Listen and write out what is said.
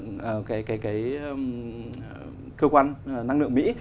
trong khi đó thì đơn vị năng lượng cơ quan năng lượng mỹ